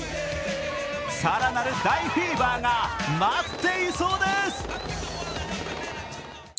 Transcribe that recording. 更なる大フィーバーが待っていそうです。